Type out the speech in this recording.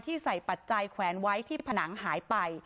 ใส่ปัจจัยแขวนไว้ที่ผนังหายไป